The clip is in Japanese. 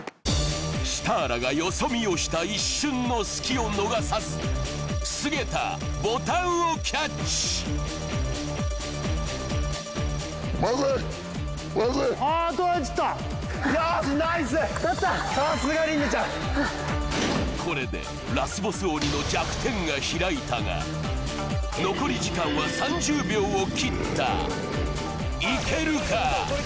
シターラがよそ見をした一瞬の隙を逃さず菅田ボタンをキャッチよしナイスとったこれでラスボス鬼のが残り時間は３０秒を切ったいけるか？